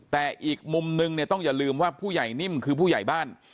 แต่อีกมุมนึงเนี่ยต้องอย่าลืมว่าผู้ใหญ่นิ่มคือผู้ใหญ่บ้าน